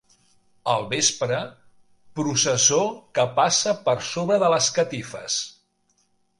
Al vespre, processó que passa per sobre de les catifes.